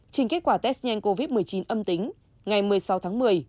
trên kết quả test nhanh covid một mươi chín âm tính ngày một mươi sáu tháng một mươi